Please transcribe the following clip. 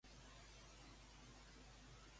Quin autor parla d'un altre Androgeu?